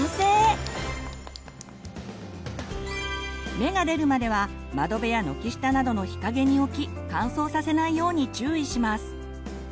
芽が出るまでは窓辺や軒下などの日かげに置き乾燥させないように注意します。